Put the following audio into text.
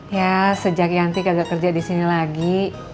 ya sejak yanti kagak kerja di sini lagi